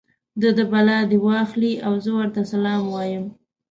د ده بلا دې واخلي او زه ورته سلام وایم.